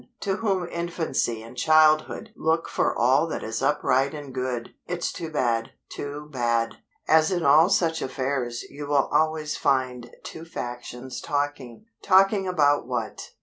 _ To whom infancy and childhood look for all that is upright and good! It's too bad; too bad!" As in all such affairs you will always find two factions talking. Talking about what?